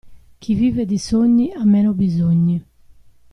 Chi vive di sogni ha meno bisogni.